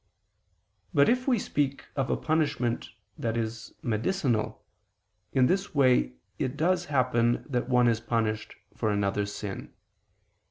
But if we speak of a punishment that is medicinal, in this way it does happen that one is punished for another's sin.